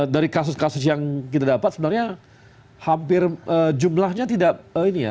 dari kasus kasus yang kita dapat sebenarnya hampir jumlahnya tidak ini ya